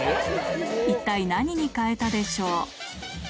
一体何に替えたでしょう？